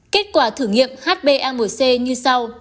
kết quả thử nghiệm hba một c như sau